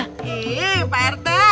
ih pak rt